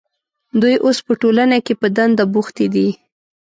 دوی اوس په ټولنه کې په دنده بوختې دي.